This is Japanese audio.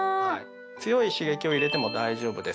強い刺激を入れても大丈夫です。